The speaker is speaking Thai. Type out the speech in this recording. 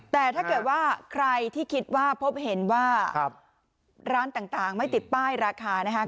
แต่ถ้าเกิดว่าใครที่คิดว่าพบเห็นว่าร้านต่างไม่ติดป้ายราคานะครับ